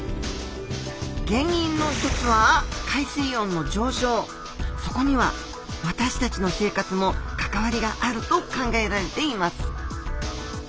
原因の一つはそこには私たちの生活も関わりがあると考えられています